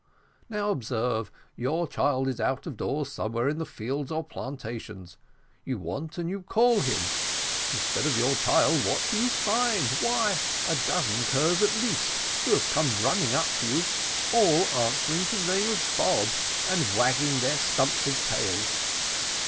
Now observe, your child is out of doors somewhere in the fields or plantations; you want and you call him. Instead of your child, what do you find? Why, a dozen curs at least, who come running up to you, all answering to the name of Bob, and wagging their stumps of tails.